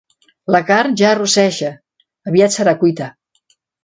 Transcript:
La carn ja rosseja: aviat serà cuita.